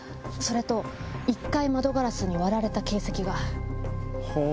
それと１階窓ガラスに割られた形跡が。